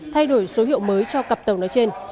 thay đổi số hiệu mới cho cặp tàu nói trên